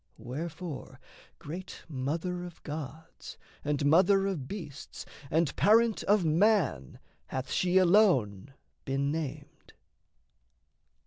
Wherefore great mother of gods, and mother of beasts, And parent of man hath she alone been named.